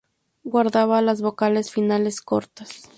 Guardaba las vocales finales cortas.